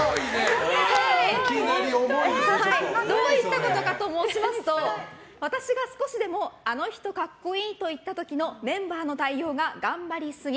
どういったことかと申しますと私が少しでもあの人格好いいと言った時のメンバーの対応が頑張りすぎ。